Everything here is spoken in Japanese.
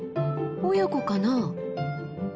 親子かな？